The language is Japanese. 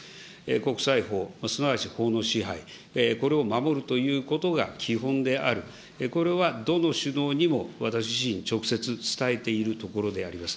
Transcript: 国際法、すなわち法の支配、これを守るということが基本である、これはどの首脳にも私自身、直接伝えているところであります。